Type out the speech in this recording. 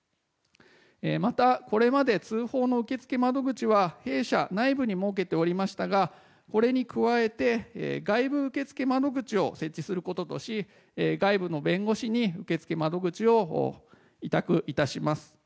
また、これまで通報の受付窓口は弊社内部に設けておりましたがこれに加えて外部受付窓口を設置することとし外部の弁護士に受付窓口を委託いたします。